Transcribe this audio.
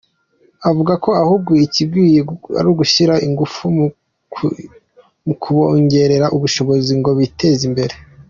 Avuga ko ahubwo igikwiye ari ugushyira ingufu mu kubongerera ubushobozi ngo biteze imbere.